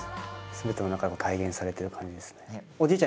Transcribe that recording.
すべてを何か体現されてる感じですね。